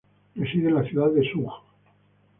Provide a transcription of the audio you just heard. Reside en la ciudad de Suhl.